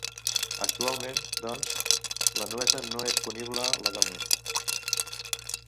Actualment, doncs, la nuesa no és punible legalment.